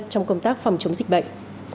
trong công tác phòng chống dịch bệnh